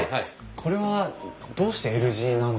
これはどうしてＬ字なんですかね？